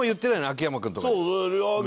秋山君とかに。